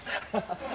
ハハハ！